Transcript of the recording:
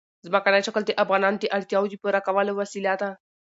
ځمکنی شکل د افغانانو د اړتیاوو د پوره کولو وسیله ده.